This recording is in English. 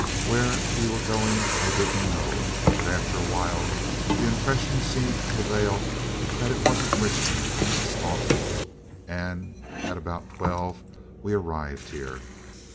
Where we were going, I didn't know; but after a while the impression seemed to prevail that it wasn't Richmond, but Staunton; and at about twelve we arrived here.